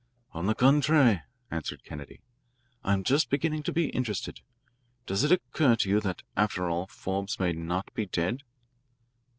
"On the contrary," answered Kennedy, "I'm just beginning to be interested. Does it occur to you that, after all, Forbes may not be dead?"